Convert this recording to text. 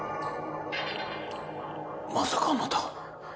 まさかあなた？